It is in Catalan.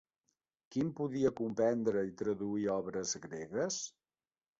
Quin podia comprendre i traduir obres gregues?